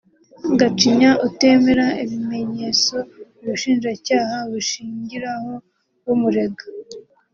Gacinya utemera ibimenyetso ubushinjacyaha bushingiraho bumurega